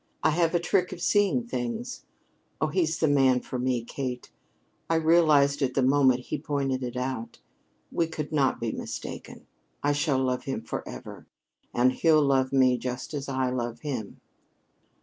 I have a trick of seeing things. Oh, he's the man for me, Kate. I realized it the moment he pointed it out. We could not be mistaken. I shall love him forever and he'll love me just as I love him."